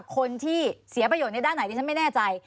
คนที่เสียประโยชน์ในด้านไหนดิฉันไม่แน่ใจ